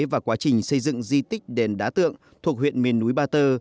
và quá trình xây dựng di tích đền đá tượng thuộc huyện miền núi ba tơ